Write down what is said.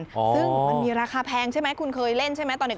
ซึ่งมันมีราคาแพงใช่ไหมคุณเคยเล่นใช่ไหมตอนเด็ก